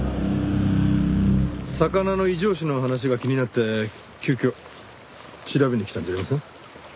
魚の異常死の話が気になって急きょ調べに来たんじゃありません？